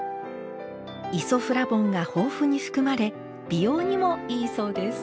イソフラボンが豊富に含まれ美容にもいいそうです。